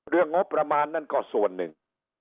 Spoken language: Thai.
งบประมาณนั้นก็ส่วนหนึ่ง